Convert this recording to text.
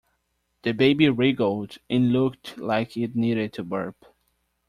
The baby wriggled and looked like it needed to burp.